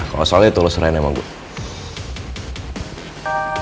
kalau soalnya itu lo serahin sama gue